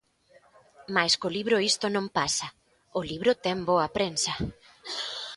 Mais co libro isto non pasa: o libro ten boa prensa.